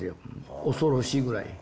恐ろしいぐらい。